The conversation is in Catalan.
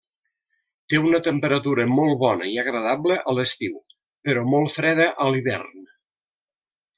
Té una temperatura molt bona i agradable a l'estiu però molt freda a l'hivern.